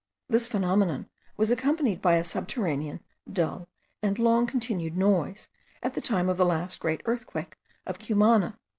This phenomenon was accompanied by a subterranean, dull, and long continued noise, at the time of the last great earthquake of Cumana.